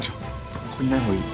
ここにいないほうがいい。